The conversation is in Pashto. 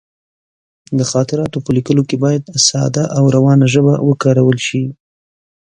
د خاطراتو په لیکلو کې باید ساده او روانه ژبه وکارول شي.